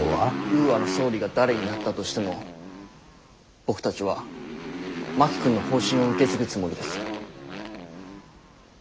ウーアの総理が誰になったとしても僕たちは真木君の方針を受け継ぐつもりです。